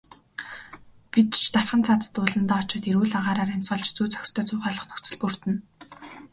Бид ч дархан цаазат ууландаа очоод эрүүл агаараар амьсгалж, зүй зохистой зугаалах нөхцөл бүрдэнэ.